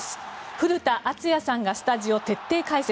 古田敦也さんがスタジオ徹底解説。